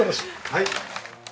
はい。